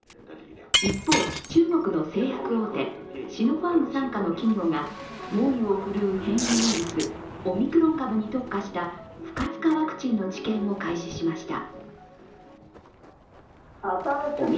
一方、中国の製薬大手シノファーム傘下の企業が猛威を振るう変異ウイルス、オミクロン株に特化した不活化ワクチンの治験を開始しました。